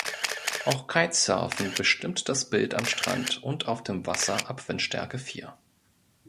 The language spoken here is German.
Auch Kitesurfen bestimmt das Bild am Strand und auf dem Wasser ab Windstärke vier.